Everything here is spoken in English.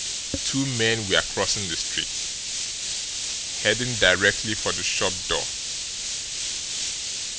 Two men were crossing the street, heading directly for the shop door.